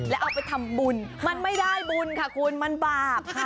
แล้วเอาไปทำบุญมันไม่ได้บุญค่ะคุณมันบาปค่ะ